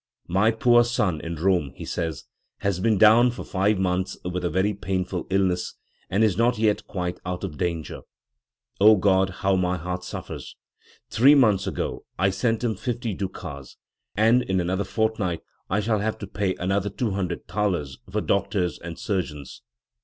"My poor son in Rome", he says, "has been down for five months with a very painful illness, and is not yet quite out of danger. O God, how my heart suffers! Three months ago I sent him fifty ducats, and in another fort night I shall have to pay another two hundred thalers for doctors and surgeons."